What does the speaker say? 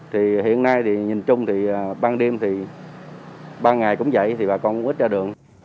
thì hiện nay thì nhìn chung thì ban đêm thì ban ngày cũng vậy thì bà con ít ra đường